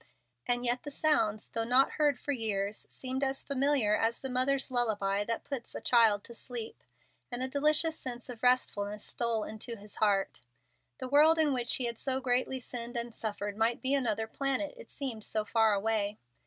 And yet the sounds, though not heard for years, seemed as familiar as the mother's lullaby that puts a child to sleep, and a delicious sense of restfulness stole into his heart. The world in which he had so greatly sinned and suffered might be another planet, it seemed so far away.